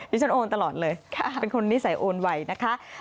ฉันโอนตลอดเลยเป็นคนนิสัยโอนไวนะคะ